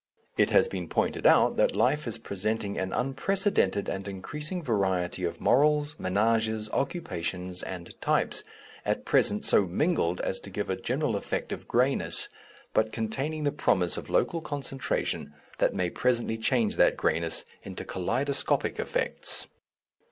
It has been pointed out that life is presenting an unprecedented and increasing variety of morals, ménages, occupations and types, at present so mingled as to give a general effect of greyness, but containing the promise of local concentration that may presently change that greyness into kaleidoscopic effects.